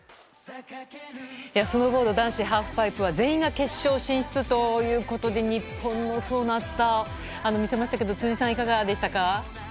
スノーボード男子ハーフパイプは全員が決勝進出ということで、日本の層の厚さ、見せましたけど、辻さん、いかがでしたか。